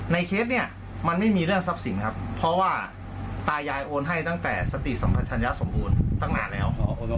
เคสเนี่ยมันไม่มีเรื่องทรัพย์สินครับเพราะว่าตายายโอนให้ตั้งแต่สติสัมพันธัญญาสมบูรณ์ตั้งนานแล้ว